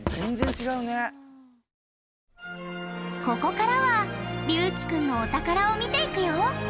ここからはりゅうきくんのお宝を見ていくよ！